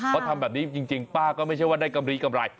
เขาทำแบบนี้จริงป้าก็ไม่ใช่ว่าได้กำลีกำไร